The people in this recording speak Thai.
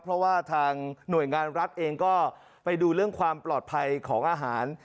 เพราะว่าทางหน่วยงานรัฐเองก็ไปดูเรื่องความปลอดภัยของอาหาร